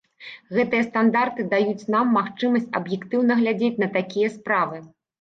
Гэтыя стандарты даюць нам магчымасць аб'ектыўна глядзець на такія справы.